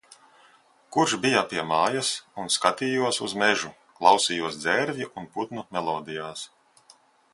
Kurš bija pie mājas un skatījos uz mežu, klausījos dzērvju un putnu melodijās.